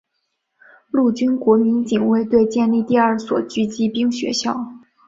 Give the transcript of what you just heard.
陆军国民警卫队建立第二所狙击兵学校。